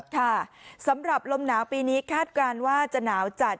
ค่ะสำหรับลมหนาวปีนี้คาดการณ์ว่าจะหนาวจัด